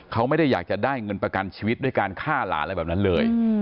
เขาไม่ได้อยากจะได้เงินประกันชีวิตด้วยการฆ่าหลานอะไรแบบนั้นเลย